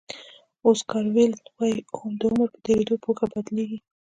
اوسکار ویلډ وایي د عمر په تېرېدو پوهه بدلېږي.